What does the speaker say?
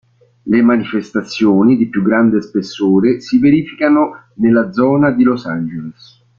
Le manifestazioni di più grande spessore si verificano nella zona di Los Angeles.